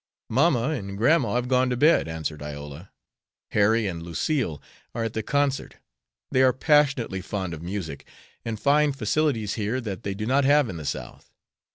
"Mamma and grandma have gone to bed," answered Iola. "Harry and Lucille are at the concert. They are passionately fond of music, and find facilities here that they do not have in the South.